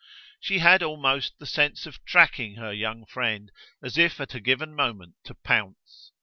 She had almost the sense of tracking her young friend as if at a given moment to pounce.